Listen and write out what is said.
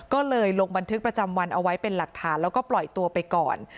ก็เลยลงบันทึกประจำวันเอาไว้เป็นหลักฐานแล้วก็ปล่อยตัวไปก่อน